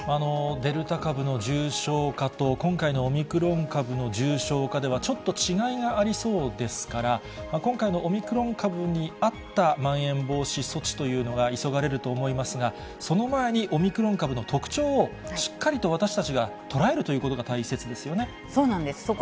デルタ株の重症化と、今回のオミクロン株の重症化では、ちょっと違いがありそうですから、今回のオミクロン株に合ったまん延防止措置というのが急がれると思いますが、その前にオミクロン株の特徴をしっかりと私たちが捉えるというこそうなんです。